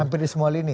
hampir di semua lini